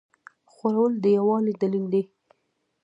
خوړل د یووالي دلیل دی